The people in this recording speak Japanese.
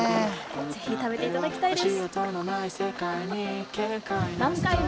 ぜひ食べていただきたいです。